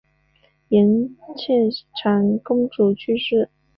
延庆长公主去世。